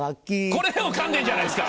これをかんでるじゃないですか！